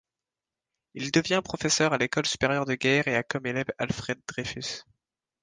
Il devient professeur à l'École supérieure de guerre et a comme élève Alfred Dreyfus.